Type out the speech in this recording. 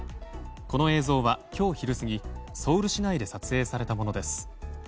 この映像は今日昼過ぎソウル市内で撮影されたものです。